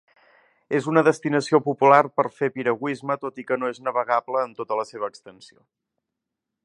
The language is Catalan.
És una destinació popular per fer piragüisme, tot i que no és navegable en tota la seva extensió.